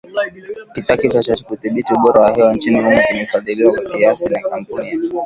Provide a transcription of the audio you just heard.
Kifaa kipya cha kudhibiti ubora wa hewa nchini humo kimefadhiliwa kwa kiasi na kampuni ya